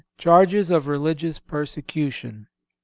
CHARGES OF RELIGIOUS PERSECUTION.